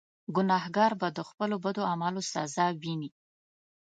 ګناهکار به د خپلو بدو اعمالو سزا ویني.